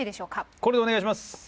これでお願いします。